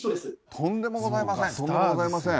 とんでもございません。